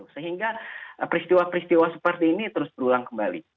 sehingga peristiwa peristiwa seperti ini terus berulang kembali